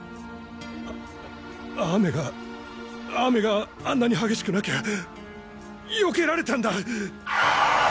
あ雨が雨があんなに激しくなきゃよけられたんだ！